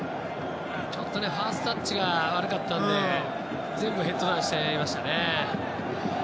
ファーストタッチが悪かったので全部ヘッドダウンしちゃいましたね。